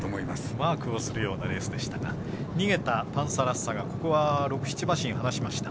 マークをするようなレースでしたが逃げたパンサラッサがここは６７馬身離しました。